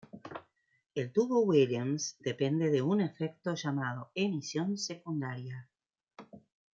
El tubo Williams depende de un efecto llamado emisión secundaria.